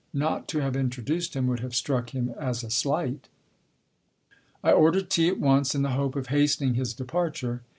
Not to have introduced him would have struck him as a slight. I ordered tea at once in the hope of hastening his departure.